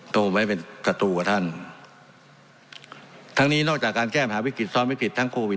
ตัวผมแบบจะเป็นต